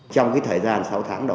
trong thời gian sáu tháng đầu